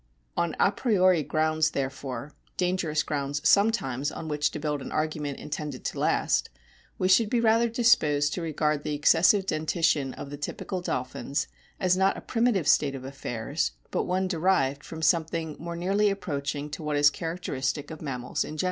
On a priori grounds, therefore, (dangerous grounds sometimes on which to build an aroaiment intended to o last !), we should be rather disposed to regard the excessive dentition of the typical dolphins as not a primitive state of affairs, but one derived from some thing more nearly approaching to what is characteristic of mammals in general.